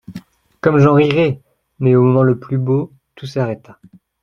Comme j'en rirais !» Mais, au moment le plus beau, tout s'arrêta.